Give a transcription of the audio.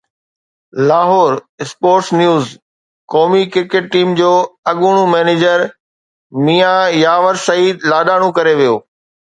Lahore (sports news) قومي cricket team جو اڳوڻو مئنيجر ميان ياور سعيد لاڏاڻو ڪري ويو